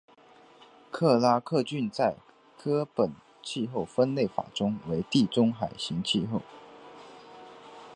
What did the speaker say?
克拉克郡在柯本气候分类法中为地中海型气候。